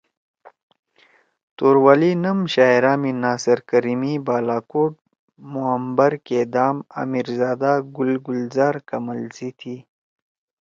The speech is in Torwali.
توروالی نم شاعرا می ناصر کریمی بالاکوٹ، معمبر کیدام، آمیر زادہ گل گلزار کمل سی تھی۔